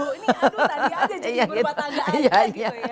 ini aduh tadi aja jadi berpatah nggak aja gitu ya